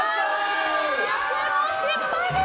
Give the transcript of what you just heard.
失敗です！